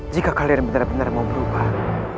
jika kalian benar benar mau berubah